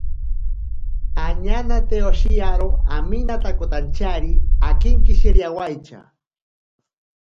Añanate oshiyaro aminakotantyari akinkishiriawaitya.